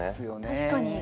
確かに。